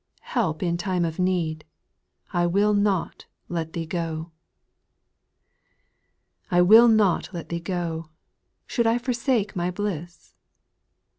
Help in time of need, I will not let Thee go ! 2. I will not let Thee go. — Should I forsake my bliss